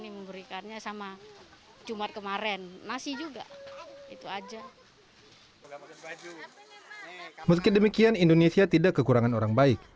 meski demikian indonesia tidak kekurangan orang baik